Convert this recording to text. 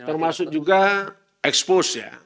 termasuk juga expos ya